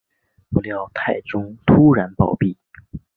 不料太宗突然暴毙。